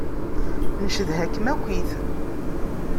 Ncedha-kem akkit.